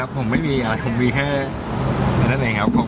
เยอะครับผมไม่มีอ่ะผมมีแค่อันนั้นเองครับ